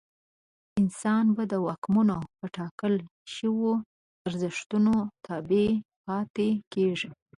انسان به د واکمنو په ټاکل شویو ارزښتونو تابع پاتې کېږي.